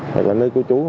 hoặc là nơi của chú